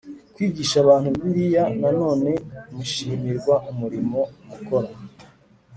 kwigisha abantu bibiliya na none mushimirwa umurimo mukora